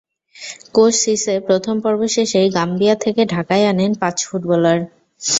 Coach Cisse প্রথম পর্ব শেষেই গাম্বিয়া থেকে ঢাকায় আনেন পাঁচ ফুটবলার।